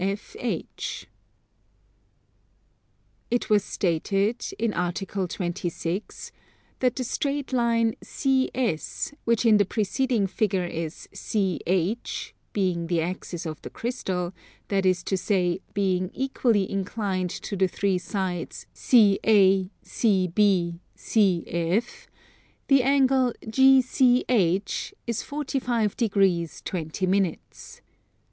It was stated, in Article 26, that the straight line CS, which in the preceding figure is CH, being the axis of the crystal, that is to say being equally inclined to the three sides CA, CB, CF, the angle GCH is 45 degrees 20 minutes.